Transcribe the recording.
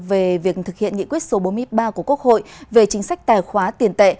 về việc thực hiện nghị quyết số bốn mươi ba của quốc hội về chính sách tài khoá tiền tệ